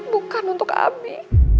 bukan untuk ami